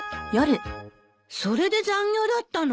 それで残業だったの。